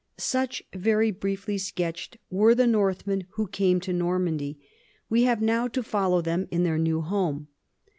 Such, very briefly sketched, were the Northmen who came to Normandy. We have now to follow them in their new home.